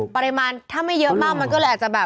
ปริมาณถ้าไม่เยอะมากมันก็เลยอาจจะแบบ